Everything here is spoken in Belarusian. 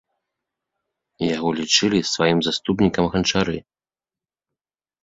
Яго лічылі сваім заступнікам ганчары.